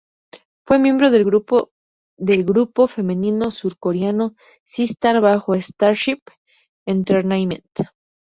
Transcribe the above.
Fue miembro del grupo del grupo femenino surcoreano Sistar bajo Starship Entertainment.